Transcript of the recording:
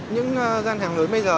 những gian hàng lớn bây giờ